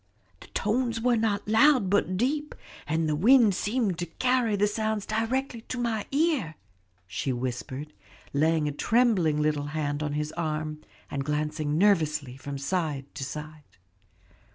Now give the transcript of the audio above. The tones were not loud but deep, and the wind seemed to carry the sounds directly to my ear," she whispered, laying a trembling little hand on his arm, and glancing nervously from side to side.